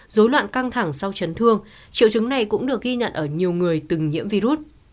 dối loạn căng thẳng sau chấn thương triệu chứng này cũng được ghi nhận ở nhiều người từng nhiễm virus